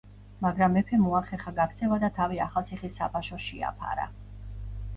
მაგრამ მეფემ მოახერხა გაქცევა და თავი ახალციხის საფაშოს შეაფარა.